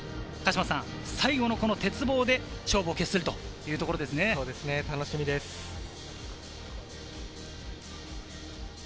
最後の鉄棒で勝負を決するというところですね。